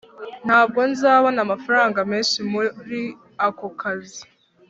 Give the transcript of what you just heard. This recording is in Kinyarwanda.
ntabwo nzabona amafaranga menshi muri ako kazi